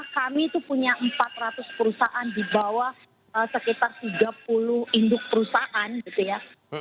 kami itu punya empat ratus perusahaan di bawah sekitar tiga puluh induk perusahaan gitu ya